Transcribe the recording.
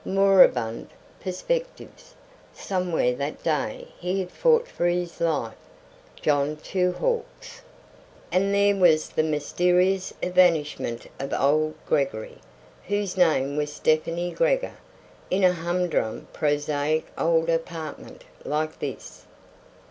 Moribund perspectives. Somewhere that day he had fought for his life. John Two Hawks. And there was the mysterious evanishment of old Gregory, whose name was Stefani Gregor. In a humdrum, prosaic old apartment like this!